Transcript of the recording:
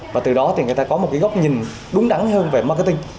và từ đó thì người ta có một cái góc nhìn đúng đắn hơn về marketing